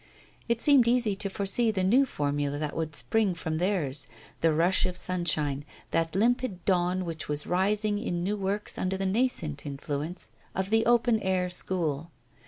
It seemed easy to foresee the new formula that would spring from theirs, that rush of sunshine, that limpid dawn which was rising in new works under the nascent influence of the 'open air' school.